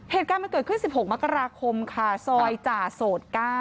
เหตุการณ์มันเกิดขึ้น๑๖มกราคมค่ะซอยจ่าโสด๙